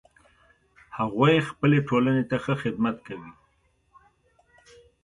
هغوی خپلې ټولنې ته ښه خدمت کوي